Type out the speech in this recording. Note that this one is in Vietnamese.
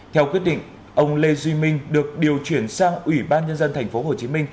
theo quyết định ông lê duy minh được điều chuyển sang ủy ban nhân dân tp hcm